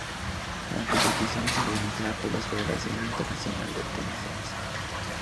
La competición es organizada por la Federación Internacional de Tenis de Mesa.